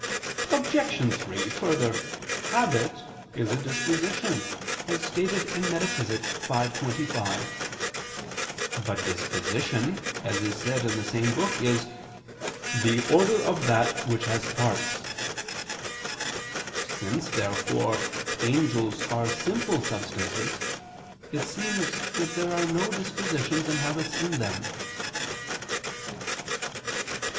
Obj. 3: Further, habit is a disposition (Metaph. v, text. 25). But disposition, as is said in the same book, is "the order of that which has parts." Since, therefore, angels are simple substances, it seems that there are no dispositions and habits in them.